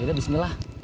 ya udah bismillah